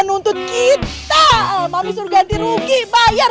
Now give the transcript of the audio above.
nuntut kita mami suruh ganti rugi bayar